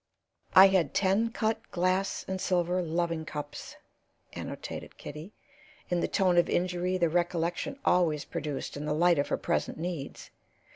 "I had ten cut glass and silver loving cups," annotated Kitty, in the tone of injury the recollection always produced in the light of her present needs.